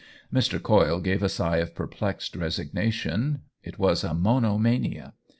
Mr. Coyle gave a sigh of perplexed resignation — it was a monomania.